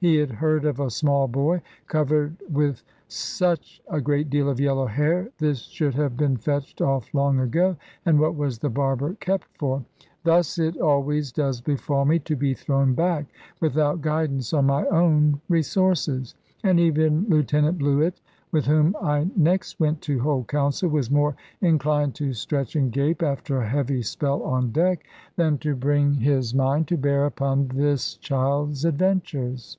He had heard of a small boy covered over with a great deal of yellow hair; this should have been fetched off long ago; and what was the barber kept for? Thus it always does befall me, to be thrown back, without guidance, on my own resources. And even Lieutenant Bluett, with whom I next went to hold counsel, was more inclined to stretch and gape, after a heavy spell on deck, than to bring his mind to bear upon this child's adventures.